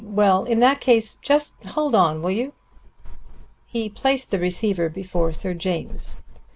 Well, in that case just hold on, will you?" He placed the receiver before Sir James.